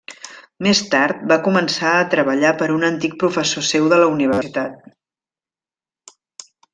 Més tard, va començar a treballar per un antic professor seu de la universitat.